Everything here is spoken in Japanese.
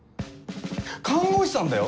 看護師さんだよ？